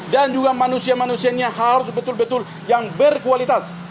dan juga manusia manusianya harus betul betul yang berkualitas